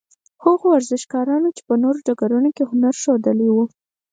هغو ورزشکارانو چې په نورو ډګرونو کې هنر ښوولی وو.